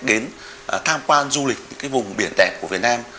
đến tham quan du lịch những cái vùng biển đẹp của việt nam